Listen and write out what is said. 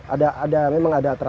ada ada memang ada terang terang